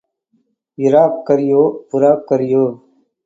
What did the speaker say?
Iraq கறியோ, புறாக் கறியோ?